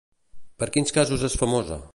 Per quins casos és famosa?